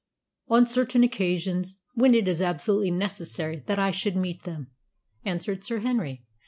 "On certain occasions, when it is absolutely necessary that I should meet them," answered Sir Henry.